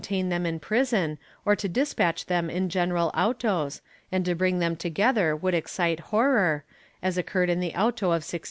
V] AUTOS HELD IN CHURCHES 225 them in prison, or to despatch them in general autos, and to bring them together would excite horror, as occurred in the auto of 1680.